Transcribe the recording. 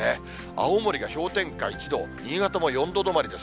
青森が氷点下１度、新潟も４度止まりです。